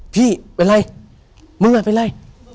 พี่เป็นไรมึงเป็นไร